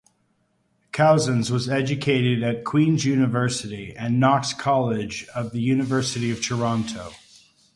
Cousens was educated at Queen's University and Knox College at the University of Toronto.